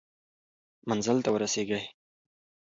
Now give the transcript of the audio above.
منزل ته ورسېږئ.